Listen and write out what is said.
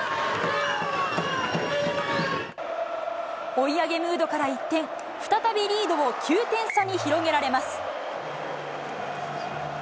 追い上げムードから一転、再びリードを９点差に広げられます。